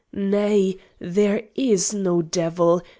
"Nay, there is no Devil!